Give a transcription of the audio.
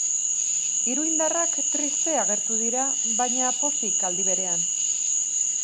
Iruindarrak triste agertu dira, baina pozik aldi berean.